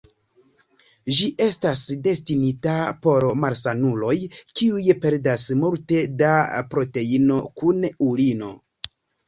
Ĝi estas destinita por malsanuloj kiuj perdas multe da proteino kun urino.